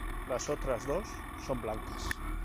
Las otras dos son blancas.